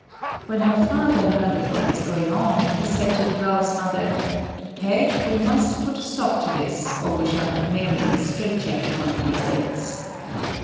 When her father learned of what was going on, he said to the girl's mother, "Peg, we must put a stop to this, or we shall have Mary in a straightjacket one of these days."